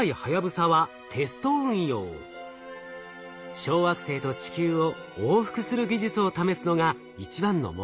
小惑星と地球を往復する技術を試すのが一番の目的でした。